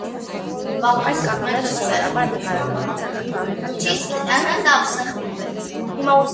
Այդ կանոնները սովորաբար նկարագրված են ընտանեկան իրավունքի մասին օրենքներում։